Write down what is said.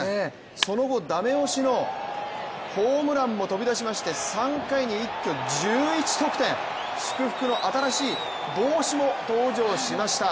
その後ダメ押しのホームランも飛び出しまして３回に一挙１１得点、祝福の新しい帽子も登場しました。